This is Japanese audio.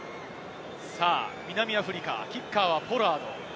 南アフリカ、キッカーはポラード。